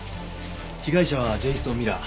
被害者はジェイソン・ミラー。